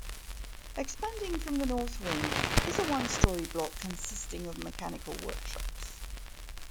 Expanding from the North Wing is a one-story block consisting of mechanical workshops.